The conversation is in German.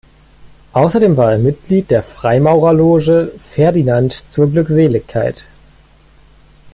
Außerdem war er Mitglied der Freimaurerloge „Ferdinand zur Glückseligkeit“.